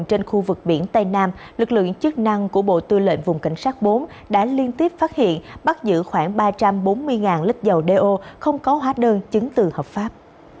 trên khu vực biển tây nam lực lượng chức năng của bộ tư lệnh vùng cảnh sát bốn đã liên tiếp phát hiện bắt giữ khoảng ba trăm bốn mươi lít dầu đeo không có hóa đơn chứng từ hợp pháp